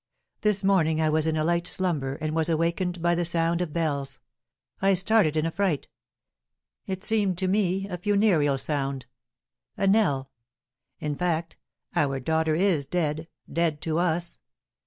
This morning I was in a light slumber, and was awakened by the sound of bells. I started in affright; it seemed to me a funereal sound, a knell! In fact, our daughter is dead, dead to us!